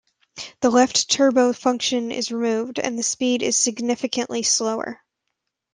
The left-turbo function is removed, and the speed is significantly slower.